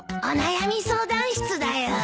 「お悩み相談室」だよ。